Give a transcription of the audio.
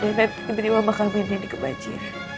dan nanti benihwa memang kami disimpati